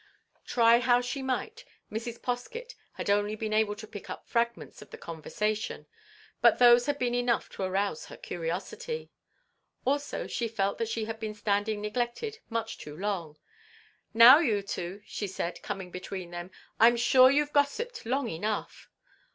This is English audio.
Try how she might, Mrs. Poskett had only been able to pick up fragments of the conversation, but those had been enough to arouse her curiosity. Also she felt she had been standing neglected much too long. "Now, you two," she said, coming between them, "I'm sure you 've gossiped long enough."